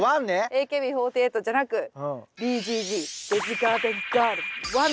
ＡＫＢ４８じゃなくベジガーデンガール１で。